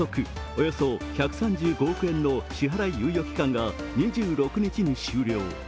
およそ１３５億円の支払い猶予期間が２６日に終了。